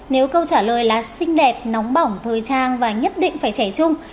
nếu câu trả lời là xinh đẹp nóng bỏng thời trang và nhất định phải trẻ chung